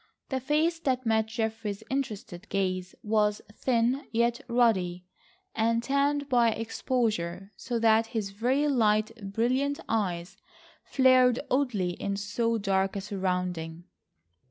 The face that met Geoffrey's interested gaze was thin, yet ruddy, and tanned by exposure so that his very light brilliant eyes flared oddly in so dark a surrounding.